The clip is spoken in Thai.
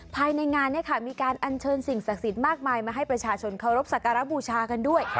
ภายในงานมีการอัญเชิญสิ่งศักดิ์สิทธิ์มากมายมาให้ประชาชนเคารพสักการะบูชากันด้วย